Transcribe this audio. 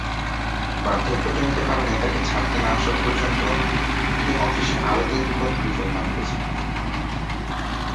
বার্ধক্যজনিত কারণে তাকে ছাড়তে না আসা পর্যন্ত তিনি অফিসে আরও তিনটি পদ পরিচালনা করেছেন।